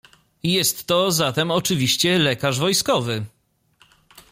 "Jest to zatem oczywiście lekarz wojskowy."